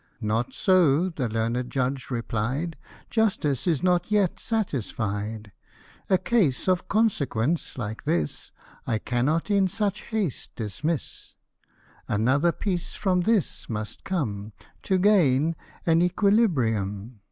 " Not so," the learned judge replied; " Justice is not yet satisfied ; A case of consequence, like this, I cannot in such haste dismiss ; Another piece from this must come To gain an equilibrium."